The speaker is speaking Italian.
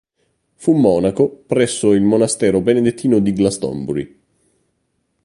Fu monaco presso il monastero benedettino di Glastonbury.